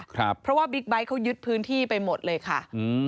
เพราะว่าบิ๊กไบท์เขายึดพื้นที่ไปหมดเลยค่ะอืม